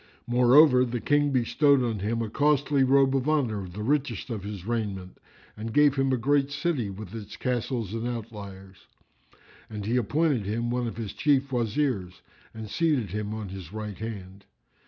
Moreover, the King bestowed on him a costly robe of honour of the richest of his raiment and gave him a great city with its castles and outliers; and he appointed him one of his Chief Wazirs and seated him on his right hand.